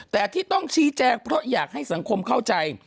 แต่ที่ต้องชี้แจงเพราะอยากให้สังคมเข้าใจ